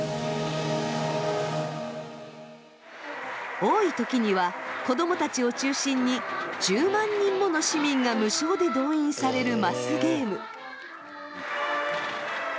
多い時には子供たちを中心に１０万人もの市民が無償で動員されるマスゲーム。